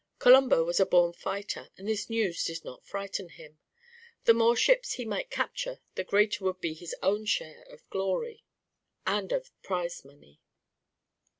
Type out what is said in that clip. Colombo was a born fighter, and this news did not frighten him. The more ships he might capture the greater would be his own share of glory and of prize money.